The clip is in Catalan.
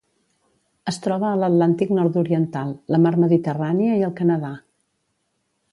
Es troba a l'Atlàntic nord-oriental, la Mar Mediterrània i el Canadà.